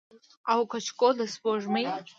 او کچکول د سپوږمۍ